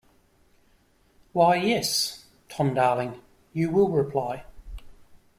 'Why, yes, Tom, darling,' you will reply.